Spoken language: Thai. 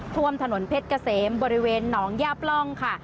ท่วมถนนเพชรเกษมบริเวณหนองย่าปล่องค่ะ